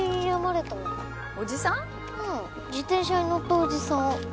自転車に乗ったおじさん。